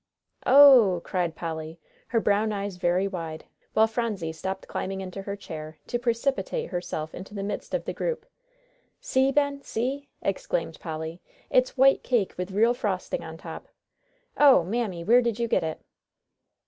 "Ooh!" cried Polly, her brown eyes very wide, while Phronsie stopped climbing into her chair to precipitate herself into the midst of the group. "See, Ben! See!" exclaimed Polly, "it's white cake with real frosting on top. Oh, Mammy, where did you get it?"